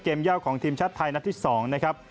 ย่าของทีมชาติไทยนัดที่๒นะครับ